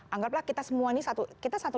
anggap lah kita semua nih satu kita satu